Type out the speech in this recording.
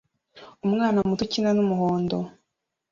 Umwana muto ukina n'umuhondo